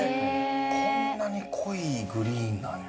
こんなに濃いグリーンなんや。